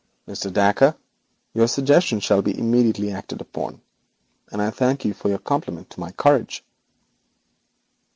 'Mr. Dacre, your suggestion shall be immediately acted upon, and I thank you for your compliment to my courage.'